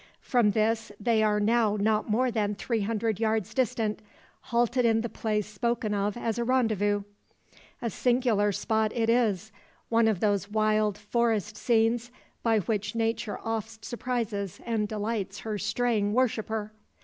From this they are now not more than three hundred yards distant, halted in the place spoken of as a rendezvous. A singular spot it is one of those wild forest scenes by which nature oft surprises and delights her straying worshipper.